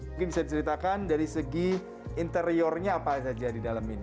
mungkin bisa diceritakan dari segi interiornya apa saja di dalam ini